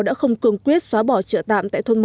đã không cường quyết xóa bỏ trợ tạm tại thôn một